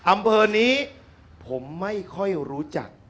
อำเภอนี้ผมไม่ค่อยรู้จัก